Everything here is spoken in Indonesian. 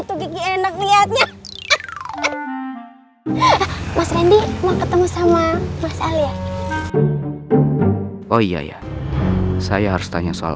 enak lihatnya mas rendy mau ketemu sama mas alia oh iya saya harus tanya soal